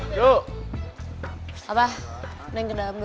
saya anak mau bicara dengan kamu